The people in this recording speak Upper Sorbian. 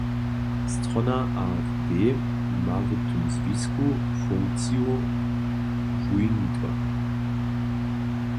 Strona AfD ma w tym zwisku funkciju wójmidła.